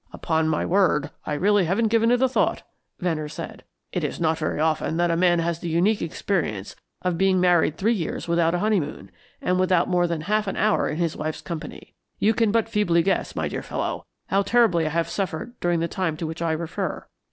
"Upon my word, I really haven't given it a thought," Venner said. "It is not very often that a man has the unique experience of being married three years without a honeymoon, and without more than half an hour in his wife's company. You can but feebly guess, my dear fellow, how terribly I have suffered during the time to which I refer.